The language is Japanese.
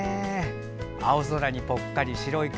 青空にぽっかり白い雲。